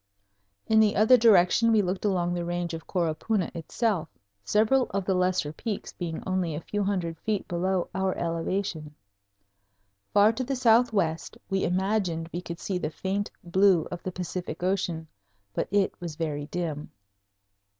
In the other direction we looked along the range of Coropuna itself; several of the lesser peaks being only a few hundred feet below our elevation. Far to the southwest we imagined we could see the faint blue of the Pacific Ocean, but it was very dim.